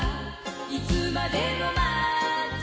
「いつまでも待つわ」